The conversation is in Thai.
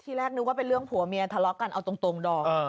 แรกนึกว่าเป็นเรื่องผัวเมียทะเลาะกันเอาตรงดอม